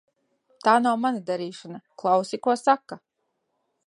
Tā nav mana darīšana. Klausi, ko saka.